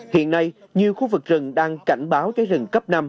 hiện nay nhiều khu vực rừng đang cảnh báo cháy rừng cấp năm